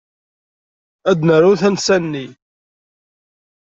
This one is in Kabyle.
Ad naru tansa-nni.